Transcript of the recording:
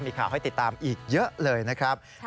มีข่าวให้ติดตามอีกเยอะเลยนะครับ